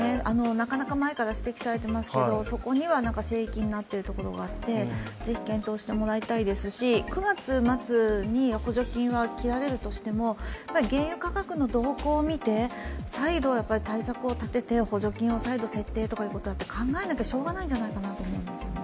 なかなか前から指摘されていますけれども、そこには聖域になっているところがあって、ぜひ検討してもらいたいですし９月末に補助金は切られるとしても原油価格の動向を見て再度対策を立てて補助金を再度設定ということだって考えないと、しようがないと思いますね。